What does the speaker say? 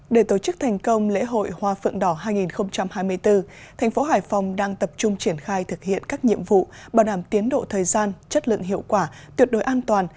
để tổ chức thành công lễ hội hoa phượng đỏ hai nghìn hai mươi bốn thành phố hải phòng đang tập trung triển khai thực hiện các nhiệm vụ bảo đảm tiến độ thời gian chất lượng hiệu quả tuyệt đối an toàn